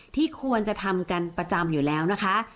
ที่ควรจะทำกันประจำอยู่แล้วนะคะ